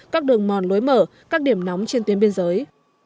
các đường mòn lối mở các điểm nóng trên tuyến biên giới